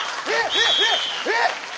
えっ！